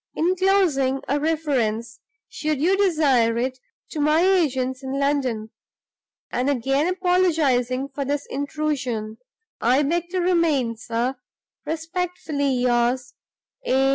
Inclosing a reference (should you desire it) to my agents in London, and again apologizing for this intrusion, I beg to remain, sir, respectfully yours, A.